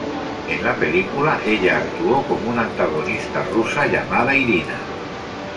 En la película, ella actuó como una antagonista rusa, llamada Irina.